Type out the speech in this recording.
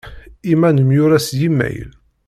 I ma nemyura s yimayl?